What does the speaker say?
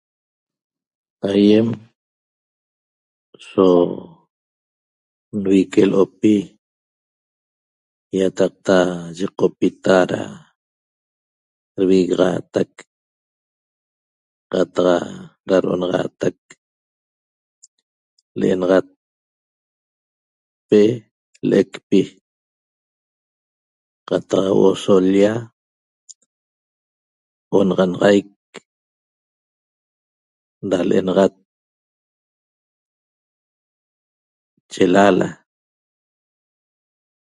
Aýem so nvique l'opi ýataqta yiqopita da dvigaxaatac qataq da do'onaxaatac l'enaxat pe l'ecpi qataq huo'o l-lla onaxanaxaic da l'enaxat chelaala